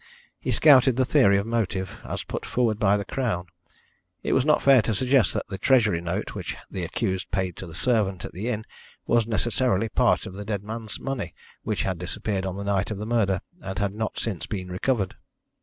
He scouted the theory of motive, as put forward by the Crown. It was not fair to suggest that the Treasury note which the accused paid to the servant at the inn was necessarily part of the dead man's money which had disappeared on the night of the murder and had not since been recovered.